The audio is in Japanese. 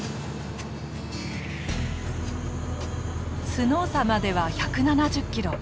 スノーサまでは１７０キロ。